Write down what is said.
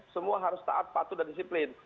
semua harus taat patuh dan disiplin